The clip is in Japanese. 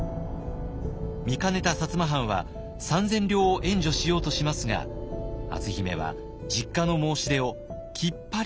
見かねた薩摩藩は三千両を援助しようとしますが篤姫は実家の申し出をきっぱりと断ります。